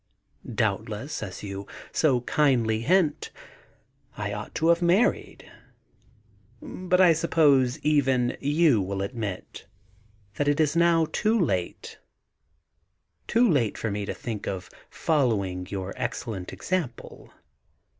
Doubtless, as you so kindly hint, I ought to have married ; but I suppose even you will admit that it is now too late — too late for me to think of following your excellent example.